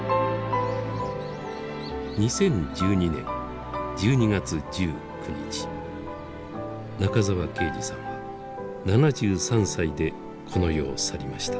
２０１２年１２月１９日中沢啓治さんは７３歳でこの世を去りました。